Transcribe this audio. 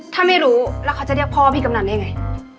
ถ้าไม่รู้แล้วเขาจะเรียกพ่อพี่กำนันได้ไง